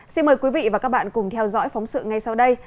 xin mời quý vị và các bạn cùng theo dõi phóng sự ngay sau đây